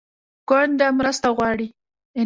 کونډه مرسته غواړي